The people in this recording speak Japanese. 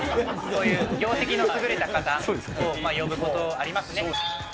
業績の優れた方を呼ぶことありますね。